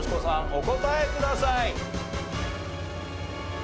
お答えください。